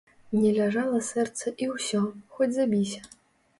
Не ляжала сэрца і ўсё, хоць забіся.